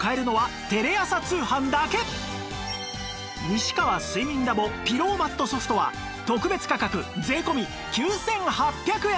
西川睡眠 Ｌａｂｏ ピローマット Ｓｏｆｔ は特別価格税込９８００円